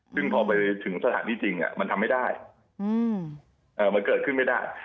ซึ่งพอไปถึงสถานที่จริงมันทำไม่ได้มันเกิดขึ้นไม่ได้